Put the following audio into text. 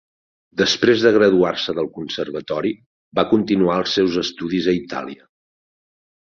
Després de graduar-se del conservatori, va continuar els seus estudis a Itàlia.